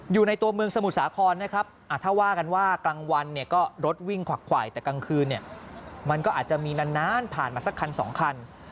อยู่ในตัวเมืองสมุทรสาครนะครับถ้าว่ากันว่ากลางวันเนี่ยก็รถวิ่งขวักขวายแต่กลางคืนเนี่ยมันก็อาจจะมีนานผ่านมาสักคันสองคัน